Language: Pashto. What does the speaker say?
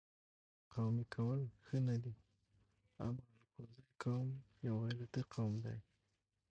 قومي کول ښه نه دي اما الکوزی قوم یو غیرتي قوم دي